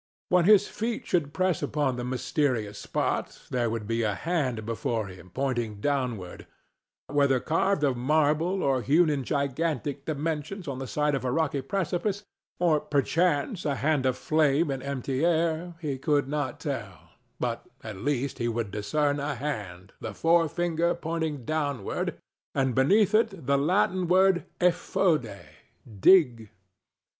When his feet should press upon the mysterious spot, there would be a hand before him pointing downward—whether carved of marble or hewn in gigantic dimensions on the side of a rocky precipice, or perchance a hand of flame in empty air, he could not tell, but at least he would discern a hand, the forefinger pointing downward, and beneath it the Latin word "Effode"—"Dig!"